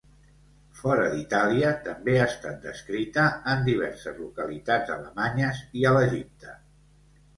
Fora d'Itàlia també ha estat descrita en diverses localitats alemanyes i a l'Egipte.